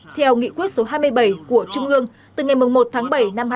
theo nghị quyết số hai mươi bảy của trung ương